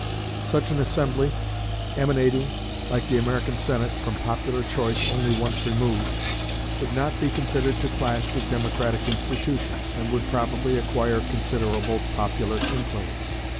Such an assembly, emanating, like the American Senate, from popular choice only once removed, would not be considered to clash with democratic institutions, and would probably acquire considerable popular influence.